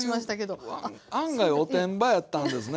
そういう案外おてんばやったんですね。